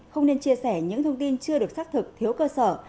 không nên chia sẻ những thông tin chưa được xác thực thiếu cơ sở